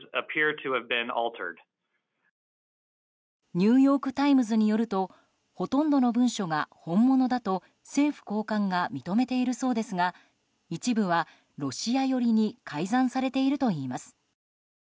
ニューヨーク・タイムズによるとほとんどの文書が本物だと政府高官が認めているそうですが一部はロシア寄りに改ざんされているといいます。